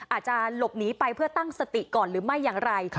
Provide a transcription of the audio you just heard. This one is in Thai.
อาจจะหลบหนีไปเพื่อตั้งสติก่อนหรือไม่อย่างไร